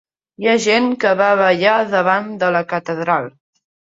Hi ha gent que va a ballar davant de la Catedral